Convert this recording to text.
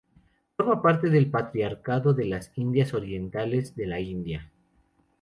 Forma parte del Patriarcado de las indias orientales de la India.